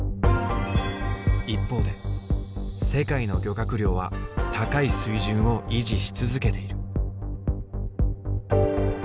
一方で世界の漁獲量は高い水準を維持し続けている。